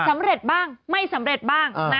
สำเร็จบ้างไม่สำเร็จบ้าง